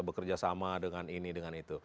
bekerja sama dengan ini dengan itu